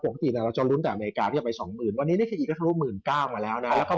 ฝั่งเงินเฟิร์ซของทางยุโรปก็กลับมาดูดีขึ้นนะครับ